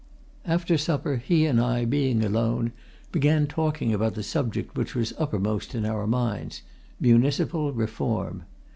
After supper, he and I, being alone, began talking about the subject which was uppermost in our minds municipal reform.